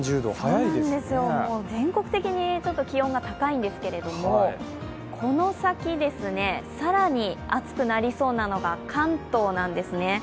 全国的に気温が高いんですけれども、この先、更に暑くなりそうなのが関東なんですね。